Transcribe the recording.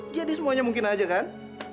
jadi semuanya mungkin aja kan